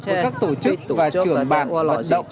với các tổ chức và trưởng bản vận động